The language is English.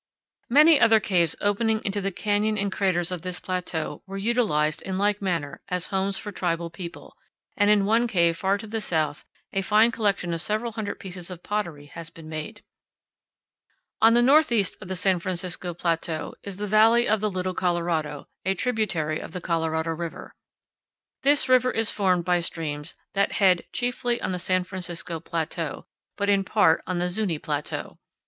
Many other caves opening into the canyon and craters of this plateau were utilized in like manner as homes for tribal people, and in one cave far to the south a fine collection of several hundred pieces of pottery has been made. 44 CANYONS OF THE COLORADO. On the northeast of the San Francisco Plateau is the valley of the Little Colorado, a tributary of the Colorado River. This river is formed by streams that head chiefly on the San Francisco Plateau, but in part on the Zuñi Plateau.